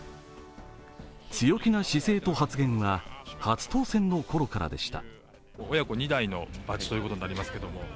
強気な姿勢と発言は、初当選のころからでした。